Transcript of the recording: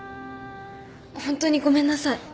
ホントにごめんなさい。